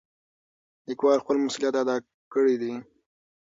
لیکوال خپل مسؤلیت ادا کړی دی.